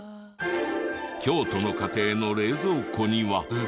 京都の家庭の冷蔵庫には。